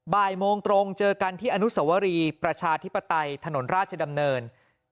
บ่ายโมงตรงเจอกันที่อนุสวรีประชาธิปไตยถนนราชดำเนิน